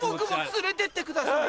連れてってください。